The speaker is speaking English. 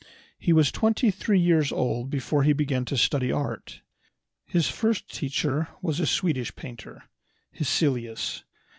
He was twenty three years old before he began to study art. His first teacher was a Swedish painter, Hessellius.